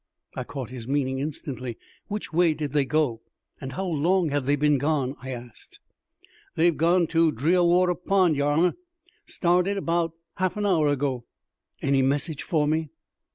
I caught his meaning instantly. "Which way did they go, and how long have they been gone?" I asked. "They're gone to Drearwater Pond, yer honour. Started 'bout half an hour ago." "Any message for me?"